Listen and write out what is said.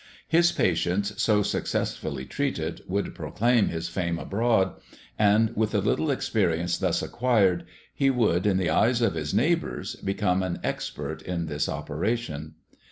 His patients so successfully treated would proclaim his fame abroad, and with the little experience thus acquired he would, in the eyes of his neighbours, become an expert in this operation.